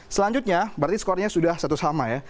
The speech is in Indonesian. selanjutnya berarti skornya sudah satu sama ya